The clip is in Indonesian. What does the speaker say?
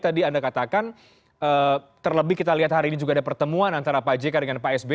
tadi anda katakan terlebih kita lihat hari ini juga ada pertemuan antara pak jk dengan pak sby